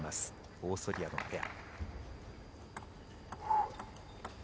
オーストリアのペア。